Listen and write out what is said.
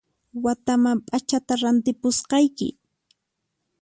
Wataman p'achata rantipusqayki